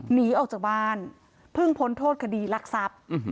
หนีออกจากบ้านเพิ่งพ้นโทษคดีรักทรัพย์